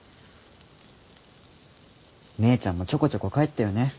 姉ちゃんもちょこちょこ帰ってよね。